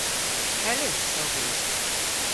Kellys ov vy.